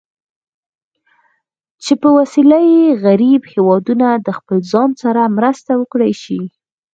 چې په وسیله یې غریب هېوادونه د خپل ځان سره مرسته وکړای شي.